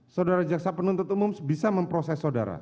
saudara jaksa penuntut umum bisa memproses saudara